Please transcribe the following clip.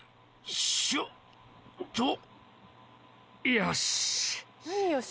よし。